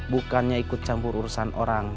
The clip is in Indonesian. bukannya ikut campur urusan orang